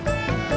gak ada apa apa